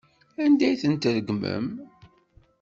Anda ay ten-tregmem?